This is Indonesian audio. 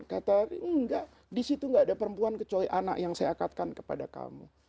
kata enggak disitu enggak ada perempuan kecuali anak yang saya akadkan kepada kamu